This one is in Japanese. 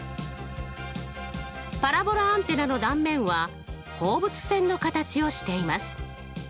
パラボラアンテナの断面は放物線の形をしています。